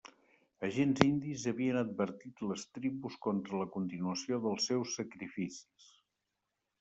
Agents indis havien advertit les tribus contra la continuació dels seus sacrificis.